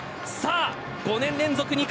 ５年連続２冠。